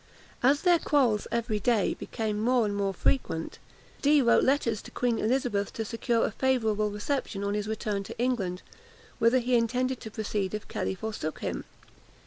As their quarrels every day became more and more frequent, Dee wrote letters to Queen Elizabeth to secure a favourable reception on his return to England, whither he intended to proceed if Kelly forsook him.